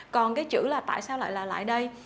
còn cái chữ là tại sao lại là lại đây